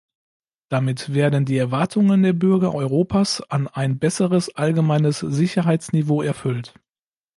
Damit werden die Erwartungen der Bürger Europas an ein besseres allgemeines Sicherheitsniveau erfüllt.